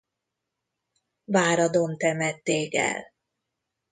Váradon temették el.